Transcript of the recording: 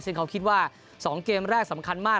ซึ่งเขาคิดว่า๒เกมแรกสำคัญมาก